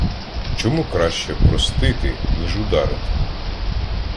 Чому краще простити, ніж ударити?